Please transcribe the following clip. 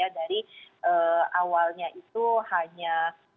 jadi dari awalnya itu hanya